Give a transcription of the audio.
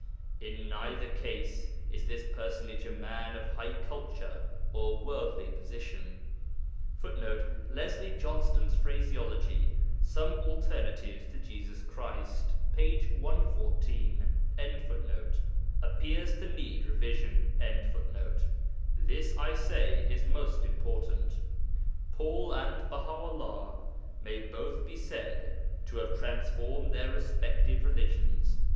In neither case is this personage a man of high culture or worldly position. [Footnote: Leslie Johnston's phraseology (Some Alternatives to Jesus Christ, p. 114) appears to need revision.] This, I say, is most important. Paul and Baha 'ullah may both be said to have transformed their respective religions.